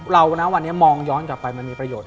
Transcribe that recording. เราน้ววันนี้มองย้อนกลับไปมีประโยชน์